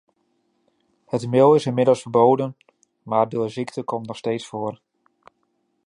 Het meel is inmiddels verboden, maar de ziekte komt nog steeds voor.